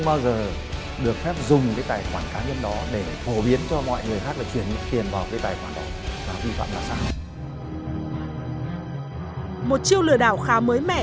một chiêu lừa đảo khá mới mẻ